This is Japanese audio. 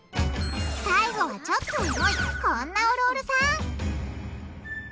最後はちょっとエモいこんなおるおるさん。